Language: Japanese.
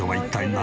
何？